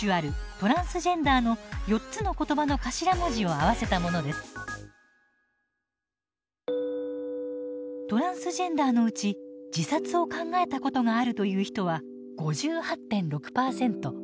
トランスジェンダーのうち自殺を考えたことがあるという人は５８．６％。